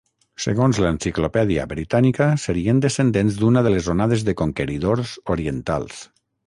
Segons l'enciclopèdia britànica serien descendents d'una de les onades de conqueridors orientals.